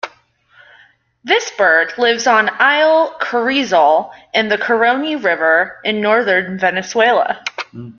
This bird lives on Isla Carrizal in the Caroni River, in northern Venezuela.